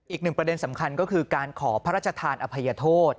อีกหนึ่งประเด็นสำคัญก็คือการขอพระราชทานอภัยโทษ